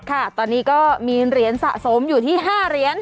ค่ะตอนนี้ก็มีเหรียญสะสมอยู่ที่๕เหรียญ